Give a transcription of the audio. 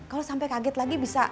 kalau sampai kaget lagi bisa